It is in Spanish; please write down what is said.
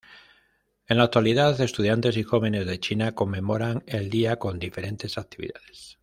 En la actualidad, estudiantes y jóvenes de China conmemoran el día con diferentes actividades.